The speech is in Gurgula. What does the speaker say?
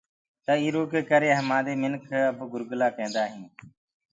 تو اِرو ڪري اب هماندي مِنکَ گُرگَلآ ڪيندآئينٚ۔